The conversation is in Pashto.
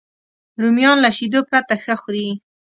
رومیان له شیدو پرته ښه خوري